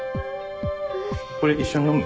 これ一緒に飲む？